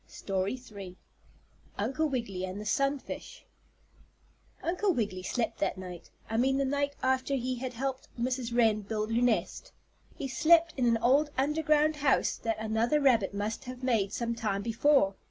STORY III UNCLE WIGGILY AND THE SUNFISH Uncle Wiggily slept that night I mean the night after he had helped Mrs. Wren build her nest he slept in an old under ground house that another rabbit must have made some time before.